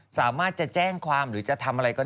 สามารถจะแจ้งความหรือจะทำอะไรก็ได้